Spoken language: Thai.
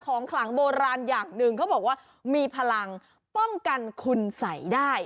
ขลังโบราณอย่างหนึ่งเขาบอกว่ามีพลังป้องกันคุณสัยได้